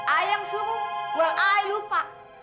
ayah yang suruh wah ayah lupa